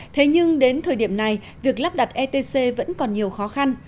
thế nhưng đến thời điểm này việc lắp đặt etc vẫn còn nhiều khó khăn